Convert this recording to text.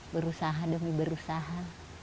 berusaha demi berusaha